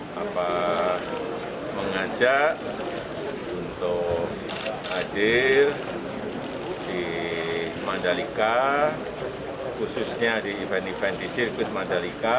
bapak mengajak untuk hadir di mandalika khususnya di event event di sirkuit mandalika